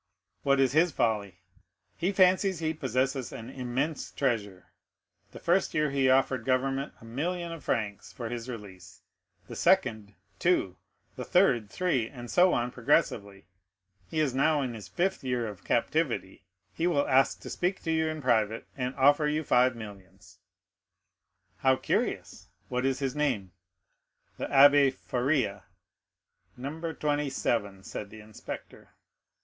"What is his folly?" "He fancies he possesses an immense treasure. The first year he offered government a million of francs for his release; the second, two; the third, three; and so on progressively. He is now in his fifth year of captivity; he will ask to speak to you in private, and offer you five millions." "How curious!—what is his name?" "The Abbé Faria." "No. 27," said the inspector.